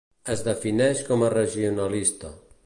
Es defineix com a regionalista.